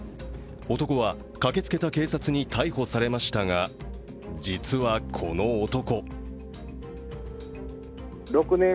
男は駆けつけた警察に逮捕されましたが、実はこの男